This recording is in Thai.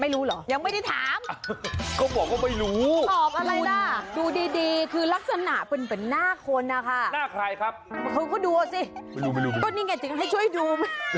เล่านี่ไงไม่รู้